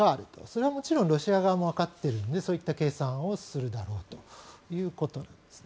それはもちろんロシア側もわかっているのでそういった計算をするだろうということです。